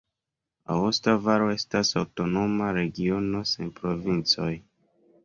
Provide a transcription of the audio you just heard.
Aosta Valo estas aŭtonoma regiono sen provincoj.